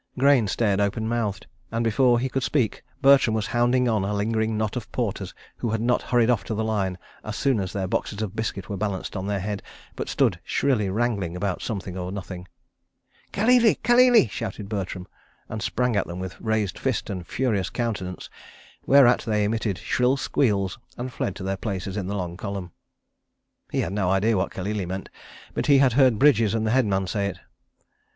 Grayne stared open mouthed, and before he could speak Bertram was hounding on a lingering knot of porters who had not hurried off to the line as soon as their boxes of biscuit were balanced on their heads, but stood shrilly wrangling about something or nothing. "Kalele! Kalele!" shouted Bertram, and sprang at them with raised fist and furious countenance, whereat they emitted shrill squeals and fled to their places in the long column. He had no idea what "Kalele!" meant, but had heard Bridges and the headman say it.